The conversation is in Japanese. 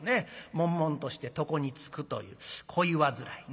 もんもんとして床につくという恋煩い。